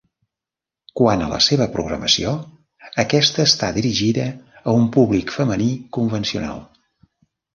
Quant a la seva programació, aquesta està dirigida a un públic femení convencional.